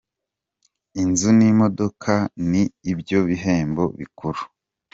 Inzu n'imodoka ni byo bihembo bikuru.